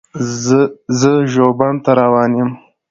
زه ژوبڼ ته روان یم.